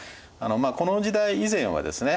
この時代以前はですね